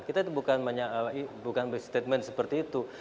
kita itu bukan berstatement seperti itu